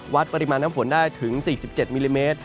วัดปริมาณน้ำฝนได้ถึง๔๗มิลลิเมตร